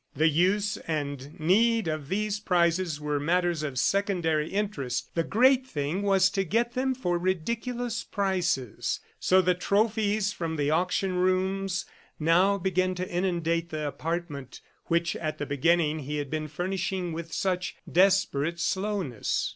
The use and need of these prizes were matters of secondary interest, the great thing was to get them for ridiculous prices. So the trophies from the auction rooms now began to inundate the apartment which, at the beginning, he had been furnishing with such desperate slowness.